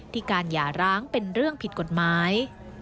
การหย่าร้างเป็นเรื่องผิดกฎหมาย